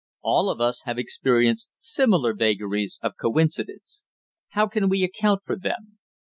All of us have experienced similar vagaries of coincidence. How can we account for them?